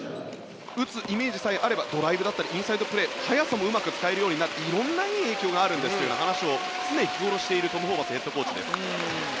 打つイメージさえあればドライブだったりインサイドプレー、速さもうまく使えるようになる色んないい影響があるんだという話を常日頃からしているトム・ホーバスヘッドコーチです。